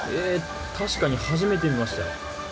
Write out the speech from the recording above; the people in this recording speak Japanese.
確かに初めて見ました。